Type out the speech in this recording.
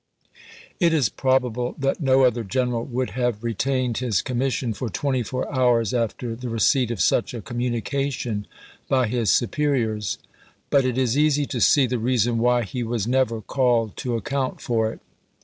haekison's landing 443 It is probable that no other general would have ch. xxiv. .retained his commission for twenty four hours after the receipt of such a communication by his superi ors ; but it is easy to see the reason why he was never called to account for it.